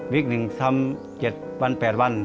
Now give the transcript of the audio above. วิกหนึ่งทำ๗วัน๘วัน